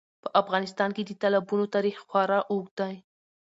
په افغانستان کې د تالابونو تاریخ خورا اوږد دی.